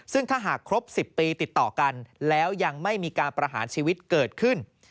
ซึ่งถ้าหากครบ๑๐ปีติดต่อกันแล้วยังไม่มีการประหารชีวิตเกิดขึ้น